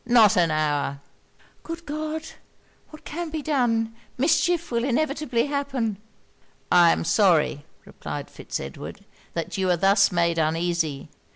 Not an hour!' 'Good God! what can be done? Mischief will inevitably happen!' 'I am sorry,' replied Fitz Edward, 'that you are thus made uneasy.